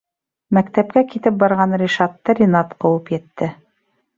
Мәктәпкә китеп барған Ришатты Ринат ҡыуып етте: